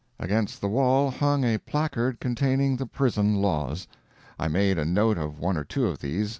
Against the wall hung a placard containing the prison laws. I made a note of one or two of these.